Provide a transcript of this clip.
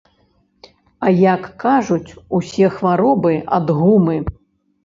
А як кажуць, усе хваробы ад гумы.